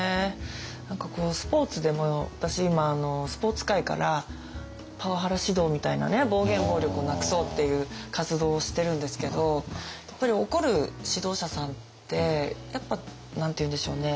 何かこうスポーツでも私今スポーツ界からパワハラ指導みたいなね暴言・暴力をなくそうっていう活動をしてるんですけどやっぱり怒る指導者さんってやっぱ何て言うんでしょうね